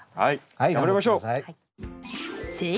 頑張りましょう。